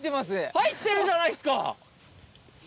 入ってるじゃないですか！